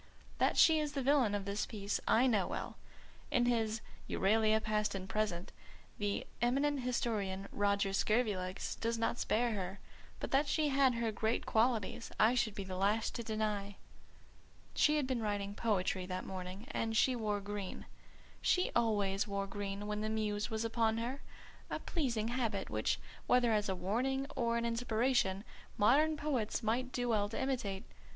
That she is the villain of the piece I know well; in his Euralia Past and Present the eminent historian, Roger Scurvilegs, does not spare her; but that she had her great qualities I should be the last to deny. She had been writing poetry that morning, and she wore green. She always wore green when the Muse was upon her: a pleasing habit which, whether as a warning or an inspiration, modern poets might do well to imitate.